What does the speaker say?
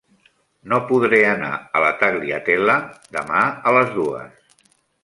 No podré anar a la Tagliatella demà a les dues.